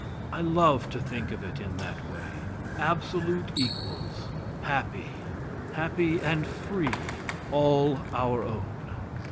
I love to think of it in that way absolute equals, happy, happy, and free, all our own.